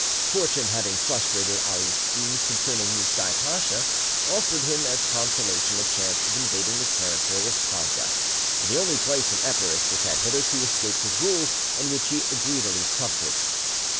Fortune having frustrated Ali's schemes concerning Moustai Pacha, offered him as consolation a chance of invading the territory of Parga, the only place in Epirus which had hitherto escaped his rule, and which he greedily coveted.